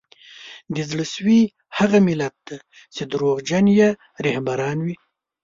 د زړه سوي هغه ملت دی چي دروغجن یې رهبران وي